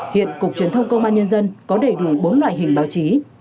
hiện cục truyền thông công an nhân dân có đầy đủ bốn loại hình báo chí